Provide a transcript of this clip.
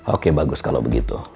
oke bagus kalau begitu